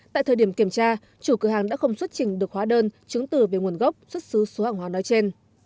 tại thời điểm kiểm tra chủ cửa hàng đã không xuất trình được hóa đơn chứng từ về nguồn gốc xuất xứ số hàng hóa nói trên